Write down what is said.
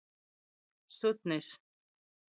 Sutnis.